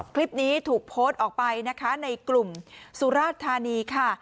คลิปนี้ถูกโพสต์ออกไปนะคะในกลุ่มสุราธานีค่ะ